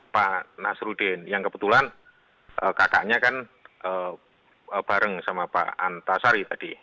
pak nasruddin yang kebetulan kakaknya kan bareng sama pak antasari tadi